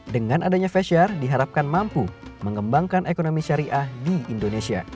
dengan adanya face share diharapkan mampu mengembangkan ekonomi syariah di indonesia